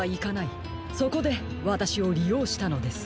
そこでわたしをりようしたのです。